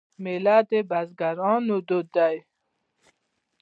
میله د بزګرانو دود دی.